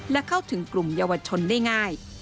และเข้าถึงกลุ่มเยาวชนได้ง่าย